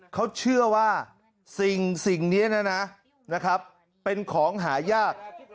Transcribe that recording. เขาเชื่อว่าสิ่งนี้นะครับเป็นของหายาก